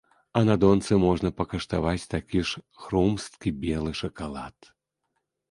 А на донцы можна пакаштаваць такі ж хрумсткі белы шакалад.